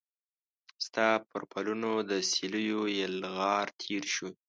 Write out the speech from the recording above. ستا پر پلونو د سیلېو یلغار تیر شو